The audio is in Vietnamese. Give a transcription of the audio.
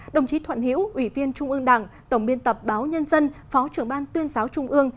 đồng chí thuận hiễu ủy viên trung ương đảng tổng biên tập báo nhân dân phó trưởng ban tuyên giáo trung ương